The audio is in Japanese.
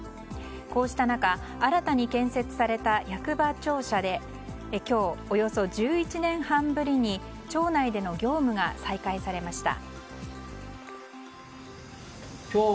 こうした中、新たに建設された役場庁舎で今日、およそ１１年半ぶりに町内での業務が再開されました。